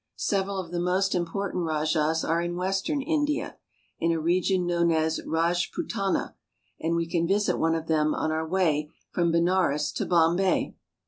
Several of the most important rajahs are in western India, in a region known as Rajputana, and we can visit one of them on our way from Benares to Bombay.